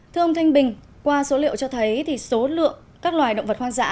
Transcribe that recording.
thưa ông thanh bình qua số liệu cho thấy số lượng các loài động vật hoang dã